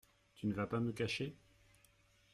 Tu ne vas pas me cacher ?